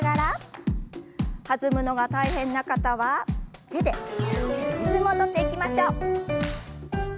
弾むのが大変な方は手でリズムを取っていきましょう。